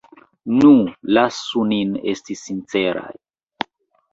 Nu, lasu nin esti sinceraj.